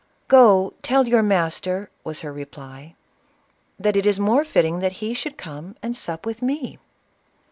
"Go, tell your master," was her reply, "that it is more fitting he should come and sup with me